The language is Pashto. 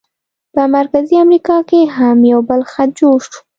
په مرکزي امریکا کې هم یو بل خط جوړ شو.